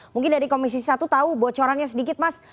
mungkin dari komisi satu tahu bocorannya sedikit mas